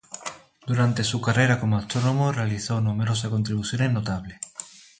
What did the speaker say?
Durante su carrera como astrónomo realizó numerosas contribuciones notables.